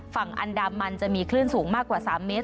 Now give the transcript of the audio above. ฝั่งอันดามันจะมีคลื่นสูงมากกว่า๓เมตร